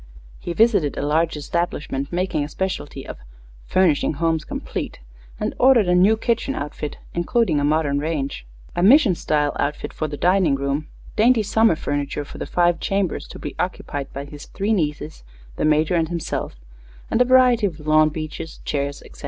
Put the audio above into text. He visited a large establishment making a specialty of "furnishing homes complete," and ordered a new kitchen outfit, including a modern range, a mission style outfit for a dining room, dainty summer furniture for the five chambers to be occupied by his three nieces, the Major and himself, and a variety of lawn benches, chairs, etc.